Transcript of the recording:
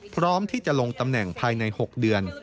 พร้อมที่จะลงตำแหน่งภายใน๖เดือน